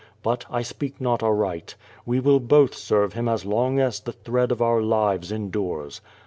But I speak not aright. We will both serve Him as long as the thread of our lives endures.